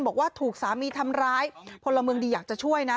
บอกว่าถูกสามีทำร้ายพลเมืองดีอยากจะช่วยนะ